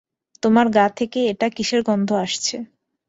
তোমার গা থেকে এটা কিসের গন্ধ আসছে?